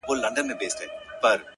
• که تریخ دی زما دی.